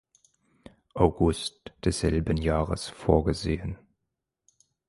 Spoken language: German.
August desselben Jahres vorgesehen.